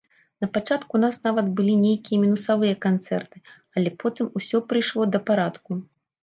Напачатку ў нас нават былі нейкія мінусавыя канцэрты, але потым усё прыйшло да парадку.